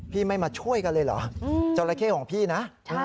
พี่ไม่มาช่วยกันเลยเหรอจราเข้ของพี่นะ